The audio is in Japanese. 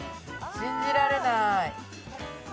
信じられない。